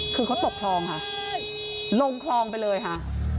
คือเขาตกคลองค่ะลงคลองไปเลยค่ะ